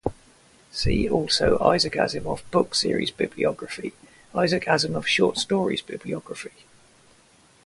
See also Isaac Asimov book series bibliography, Isaac Asimov short stories bibliography.